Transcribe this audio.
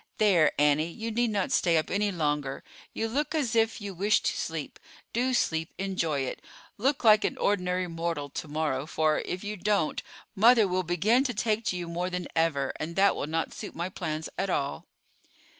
There, Annie, you need not stay up any longer; you look as if you wished to sleep. Do sleep—enjoy it—look like an ordinary mortal to morrow; for, if you don't, mother will begin to take to you more than ever, and that will not suit my plans at all."